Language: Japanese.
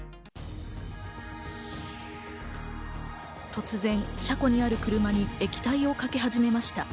突然、車庫にある車に液体をかけ始めました。